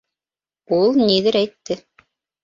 Ул ниҙер әйтте.